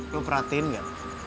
lo perhatiin ga